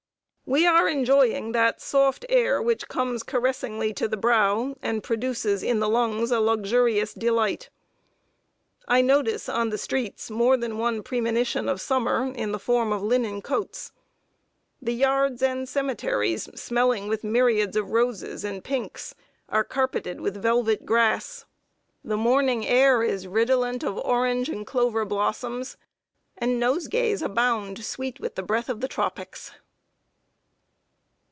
We are enjoying that soft air "which comes caressingly to the brow, and produces in the lungs a luxurious delight." I notice, on the streets, more than one premonition of summer, in the form of linen coats. The yards and cemeteries, smiling with myriads of roses and pinks, are carpeted with velvet grass; the morning air is redolent of orange and clover blossoms, and nosegays abound, sweet with the breath of the tropics.